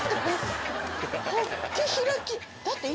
だって。